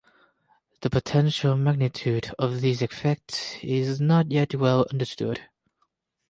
The potential magnitude of these effects is not yet well understood.